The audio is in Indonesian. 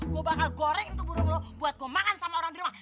gue bakal goreng untuk burung lo buat gue makan sama orang di rumah